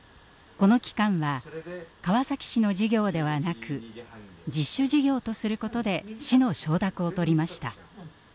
この期間は川崎市の事業ではなく自主事業とすることで市の承諾をとりました。